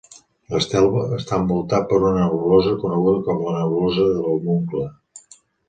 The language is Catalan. L'estel està envoltat per una nebulosa coneguda com la nebulosa de l'Homuncle.